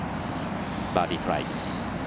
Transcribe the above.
バーディートライ。